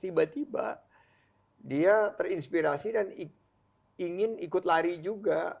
tiba tiba dia terinspirasi dan ingin ikut lari juga